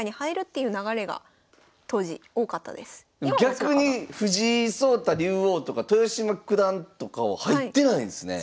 逆に藤井聡太竜王とか豊島九段とかは入ってないんすね。